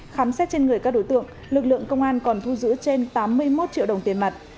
khám xét trên người các đối tượng lực lượng công an còn thu giữ trên tám mươi một triệu đồng tiền mặt